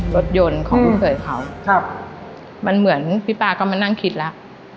รถยนต์ของลูกเขยเขาครับมันเหมือนพี่ป๊าก็มานั่งคิดแล้ว